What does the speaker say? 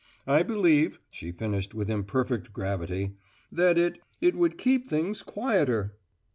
I believe," she finished with imperfect gravity, "that it it would keep things quieter."